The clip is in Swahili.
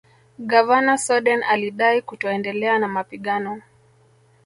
Gavana Soden alidai kutoendelea na mapigano